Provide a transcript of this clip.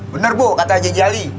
benar bu kata aja jali